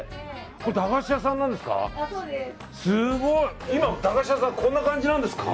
これ、駄菓子屋さんなんですか？